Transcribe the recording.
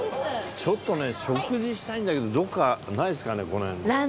ちょっとね食事したいんだけどどこかないですかね？